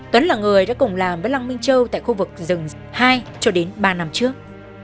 tuấn là người đã cùng làm với lăng minh châu tại khu vực rừng hai cho đến ba năm trước